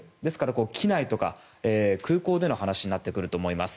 これは機内とか空港での話になってくると思います。